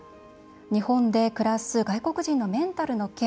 「日本で暮らす外国人のメンタルのケア。